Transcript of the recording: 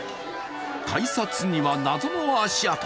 改札には謎の足跡。